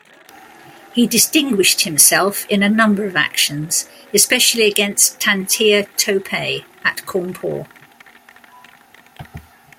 He distinguished himself in a number of actions, especially against Tantya Tope at Cawnpore.